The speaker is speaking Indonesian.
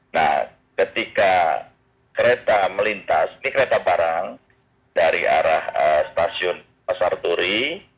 nah ketika kereta melintas ini kereta barang dari arah stasiun pasar turi